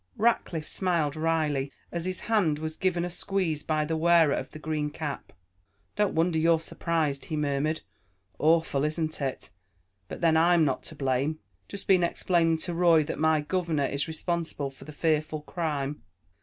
Rackliff smiled wryly, as his hand was given a squeeze by the wearer of the green cap. "Don't wonder you're surprised," he murmured. "Awful, isn't it? But then, I'm not to blame. Just been explaining to Roy, that my governor is responsible for the fearful crime."